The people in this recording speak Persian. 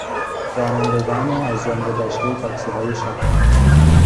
رانندگان از جان گذشتهی تاکسیهای شهر